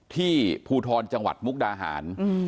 ที่ภูทรใจงวัดมุกดาหาร